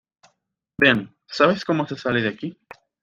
Ven. ¿ sabes cómo se sale de aquí?